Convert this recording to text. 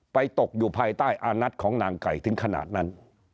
ตกอยู่ภายใต้อานัทของนางไก่ถึงขนาดนั้น